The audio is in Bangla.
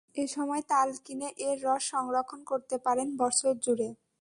এ সময় তাল কিনে এর রস সংরক্ষণ করতে পারেন বছরজুড়ে।